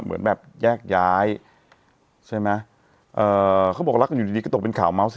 เหมือนแบบแยกย้ายใช่ไหมเอ่อเขาบอกรักกันอยู่ดีดีก็ตกเป็นข่าวเมาส์